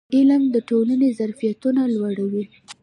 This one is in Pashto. علم د ټولنې ظرفیتونه لوړوي.